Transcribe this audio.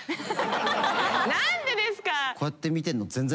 何でですか！